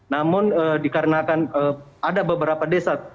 namun dikarenakan ada beberapa desa